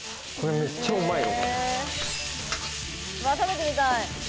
めっちゃうまいよ。